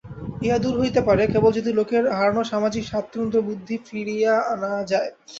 ইহা দূর হইতে পারে, কেবল যদি লোকের হারানো সামাজিক স্বাতন্ত্র্যবুদ্ধি ফিরাইয়া আনা যায়।